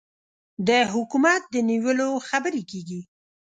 د حکومت د نیولو خبرې کېږي.